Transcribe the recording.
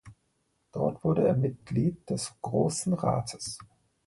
Dort wurde er Mitglied des Großen Rates.